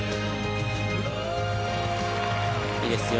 いいですよ。